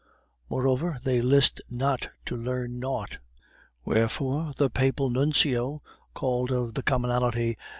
Moreover, they list not to learn naught, wherefore the Papal Nuncio (called of the commonalty, M.